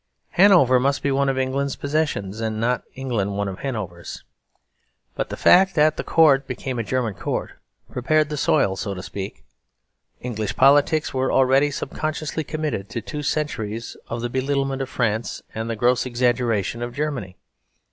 Hanover must be one of England's possessions and not England one of Hanover's. But the fact that the court became a German court prepared the soil, so to speak; English politics were already subconsciously committed to two centuries of the belittlement of France and the gross exaggeration of Germany.